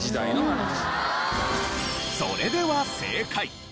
それでは正解。